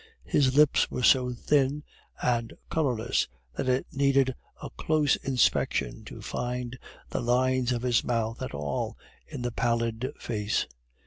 His lips were so thin and colorless that it needed a close inspection to find the lines of his mouth at all in the pallid face.